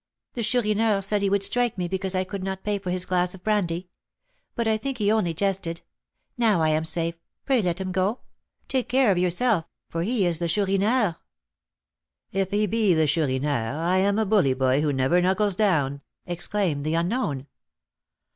The Chourineur said he would strike me because I could not pay for his glass of brandy; but I think he only jested. Now I am safe, pray let him go. Take care of yourself, for he is the Chourineur." "If he be the Chourineur, I am a bully boy who never knuckles down," exclaimed the unknown.